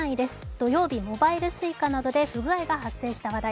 土曜日モバイルＳｕｉｃａなどで不具合が発生した話題。